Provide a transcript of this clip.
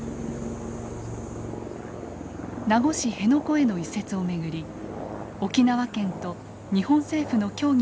名護市辺野古への移設をめぐり沖縄県と日本政府の協議が続いています。